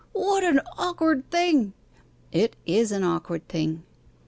'What an awkward thing!' 'It is an awkward thing.